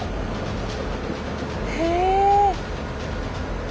へえ。